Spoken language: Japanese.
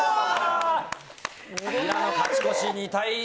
平野さん勝ち越し、２対１。